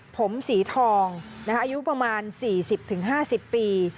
ผมสีทองอายุประมาณ๔๐๕๐ปี